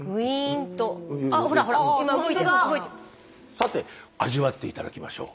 さて味わって頂きましょう。